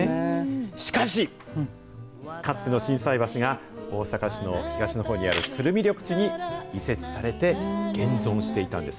しかし、かつての心斎橋が大阪市の東のほうにある鶴見緑地に移設されて、現存していたんです。